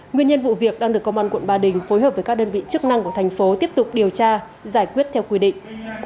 nguyên nhân vụ việc đang được công an quận ba đình phối hợp với các đơn vị chức năng của thành phố tiếp tục điều tra giải quyết theo quy định